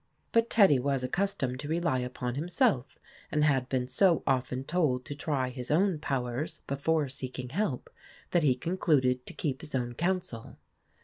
But Teddy was accustomed to rely upon himself, and had been so often told to try his own poxyers before seeking help, that he con cluded to keep his own counsel.